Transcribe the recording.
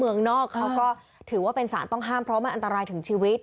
เมืองนอกเขาก็ถือว่าเป็นสารต้องห้ามเพราะมันอันตรายถึงชีวิต